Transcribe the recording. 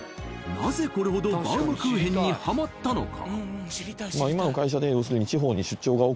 なぜこれほどバウムクーヘンにハマったのか？